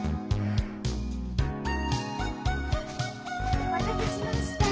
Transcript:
お待たせしました。